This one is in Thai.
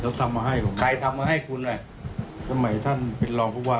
แล้วทำมาให้ผมใครทำมาให้คุณอ่ะสมัยท่านเป็นรองผู้ว่า